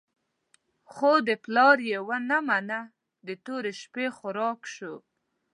خو د پلار یې ونه منله، د تورې شپې خوراک شو.